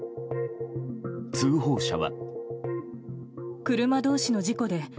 通報者は。